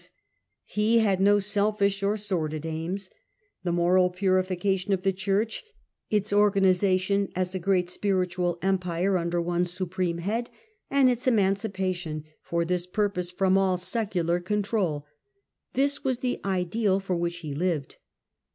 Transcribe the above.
Character He had uo selfish or sordid aims ; the moral Gregory purification of the Church, its organisation as a great spiritual empire under one supreme head, and its emancipation, for this purpose, from all secular control — this was the ideal for which he lived.